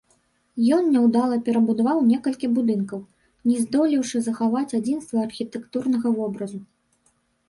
Ён няўдала перабудаваў некалькі будынкаў, не здолеўшы захаваць адзінства архітэктурнага вобразу.